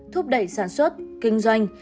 thúc đẩy sản xuất kinh doanh